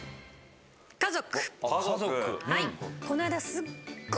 家族。